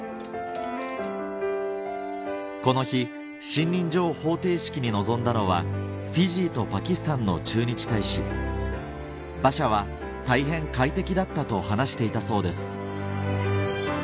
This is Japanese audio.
この日信任状捧呈式に臨んだのはフィジーとパキスタンの駐日大使馬車は「大変快適だった」と話していたそうです